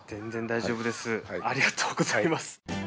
全然大丈夫です。